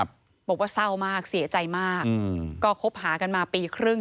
บอกว่าเศร้ามากเสียใจมากอืมก็คบหากันมาปีครึ่ง